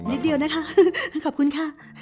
นิดเดียวนะคะขอบคุณค่ะ